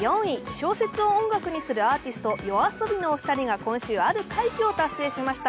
小説を音楽にするアーティスト、ＹＯＡＳＯＢＩのお二人が今週、ある快挙を達成しました。